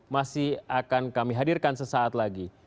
masih akan kami hadirkan sesaat lagi